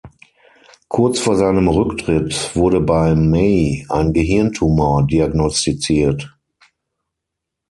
Kurz vor seinem Rücktritt wurde bei May ein Gehirntumor diagnostiziert.